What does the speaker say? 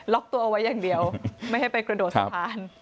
ตัวเอาไว้อย่างเดียวไม่ให้ไปกระโดดสะพาน